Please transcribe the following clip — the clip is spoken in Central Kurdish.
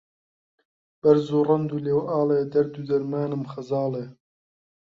بەرز و ڕند و ڵێوئاڵێ دەرد و دەرمانم خەزاڵێ